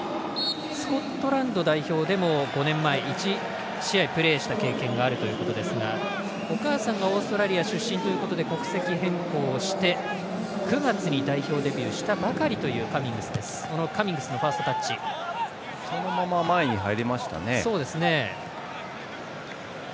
スコットランド代表でも５年前１試合プレーした経験があるということですがお母さんがオーストラリア出身ということで国籍変更して、９月に代表デビューしたばかりというそのまま前に入りましたね。